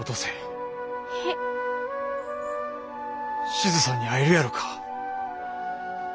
志津さんに会えるやろか。